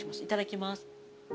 いただきます。